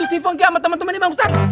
itu si funky sama temen temennya bang ustadz